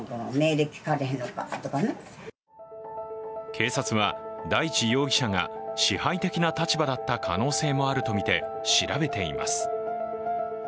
警察は大地容疑者が支配的な立場だった可能性もあるとみて調べています。